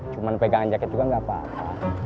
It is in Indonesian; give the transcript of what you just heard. cuman pegangan jaket juga gak apa apa